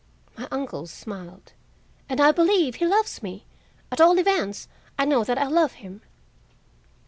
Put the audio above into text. My uncle smiled. "And I believe he loves me; at all events, I know that I love him."